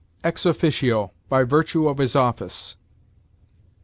_ Ex officio: by virtue of his office.